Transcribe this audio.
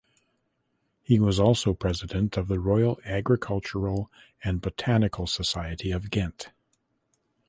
He was also president of the Royal Agricultural and Botanical Society of Ghent.